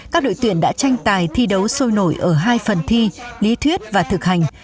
các đội tuyển đã tranh tài thi đấu sôi nổi ở hai phần thi lý thuyết và thực hành